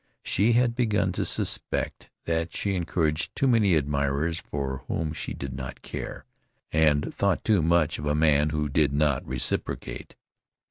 She had begun to suspect that she encouraged too many admirers for whom she did not care, and thought too much of a man who did not reciprocate.